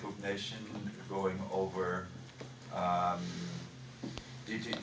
kemudian ke digitalisasi semua perlengkapan